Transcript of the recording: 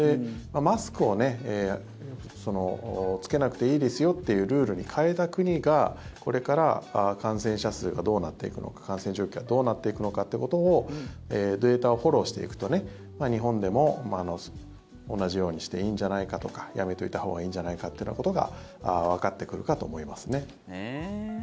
マスクを着けなくていいですよというルールに変えた国がこれから感染者数がどうなっていくのか感染状況がどうなっていくのかということをデータをフォローしていくと日本でも同じようにしていいんじゃないかとかやめといたほうがいいんじゃないかというようなことがわかってくるかと思いますね。